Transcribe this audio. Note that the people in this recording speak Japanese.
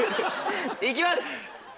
行きます！